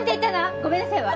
「ごめんなさい」は？